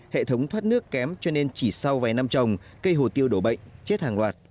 hệ thống thoát nước kém cho nên chỉ sau vài năm trồng cây hồ tiêu đổ bệnh chết hàng loạt